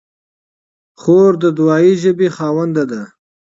خور د دعایي ژبې خاوندې ده.